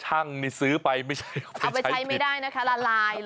ช่างนี่ซื้อไปไม่ใช่เอาไปใช้ไม่ได้นะคะละลายเลย